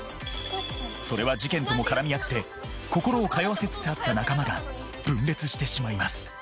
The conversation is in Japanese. それは事件とも絡み合って心を通わせつつあった仲間が分裂してしまいます